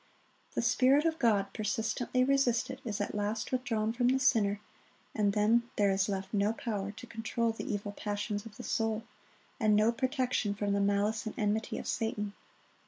The Spirit of God, persistently resisted, is at last withdrawn from the sinner, and then there is left no power to control the evil passions of the soul, and no protection from the malice and enmity of Satan.